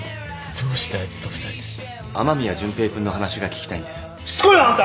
どうしてあいつと２人で雨宮純平君の話が聞きたいんですしつこいよあんた！